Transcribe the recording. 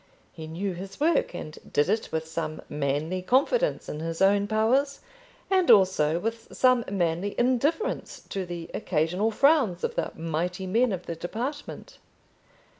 He knew his work, and did it with some manly confidence in his own powers, and also with some manly indifference to the occasional frowns of the mighty men of the department.